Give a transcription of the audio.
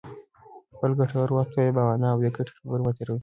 خپل ګټور وخت په بې مانا او بې ګټې خبرو مه تېروئ.